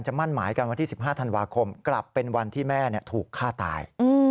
มั่นหมายกันวันที่๑๕ธันวาคมกลับเป็นวันที่แม่ถูกฆ่าตาย